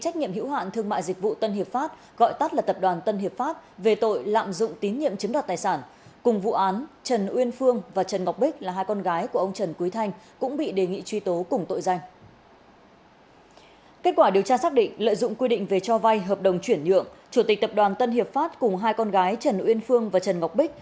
chủ tịch tập đoàn tân hiệp pháp cùng hai con gái trần uyên phương và trần ngọc bích